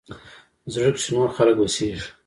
زړه کښې نور خلق اوسيږي